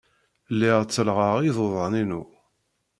Lliɣ ttellɣeɣ iḍudan-inu.